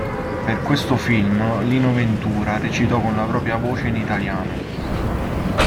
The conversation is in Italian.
Per questo film Lino Ventura recitò con la propria voce in italiano.